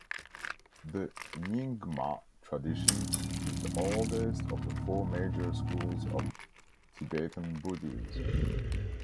The Nyingma tradition is the oldest of the four major schools of Tibetan Buddhism.